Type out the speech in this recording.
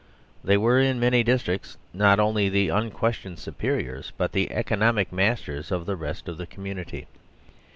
They were in many districts not only the unquestioned superiors, but the economic masters of the rest of the commun ity.